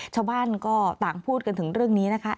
ชาวบ้านก็ต่างพูดกันถึงเรื่องนี้นะคะ